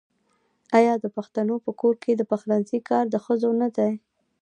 آیا د پښتنو په کور کې د پخلنځي کار د ښځو نه دی؟